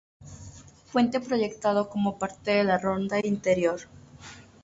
Puente proyectado como parte de la Ronda Interior.